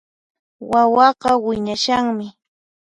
Wawaqa wiñashanmi